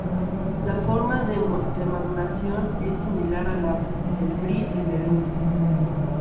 La forma de maduración es similar a la del Brie de Melun.